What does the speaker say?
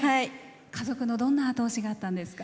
家族のどんな後押しがあったんですか？